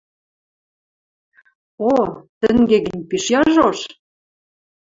– О, тӹнге гӹнь, пиш яжош!